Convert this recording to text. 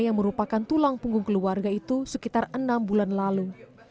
yang merupakan tulang punggung keluarga itu sekitar enam bulan lalu